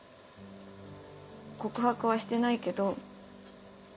告白はしてないけど。